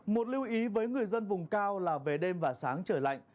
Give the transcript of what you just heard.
một lưu ý với người dân vùng cao là về đêm và sáng trời lạnh